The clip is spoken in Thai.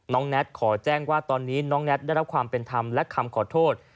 แน็ตขอแจ้งว่าตอนนี้น้องแน็ตได้รับความเป็นธรรมและคำขอโทษ